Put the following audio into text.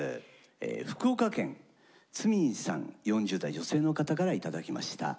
福岡県つみんさん４０代・女性の方から頂きました。